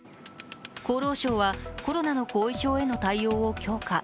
厚労省はコロナの後遺症への対応を強化。